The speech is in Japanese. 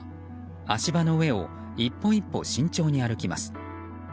足場の上を一歩一歩、慎重に歩きます。